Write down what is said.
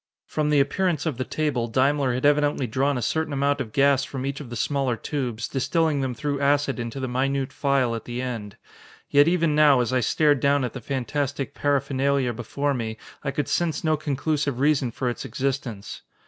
From the appearance of the table, Daimler had evidently drawn a certain amount of gas from each of the smaller tubes, distilling them through acid into the minute phial at the end. Yet even now, as I stared down at the fantastic paraphernalia before me, I could sense no conclusive reason for its existence.